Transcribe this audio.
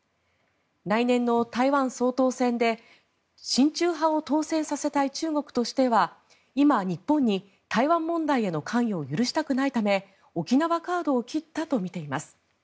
来年の台湾総統選で親中派を当選させたい中国としては今、日本に台湾問題への関与を許したくないため沖縄カードを切ったとみています。